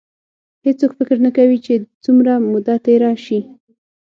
هېڅوک فکر نه کوي چې څومره موده تېره شي.